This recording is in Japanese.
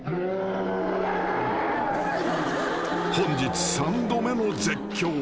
［本日三度目の絶叫。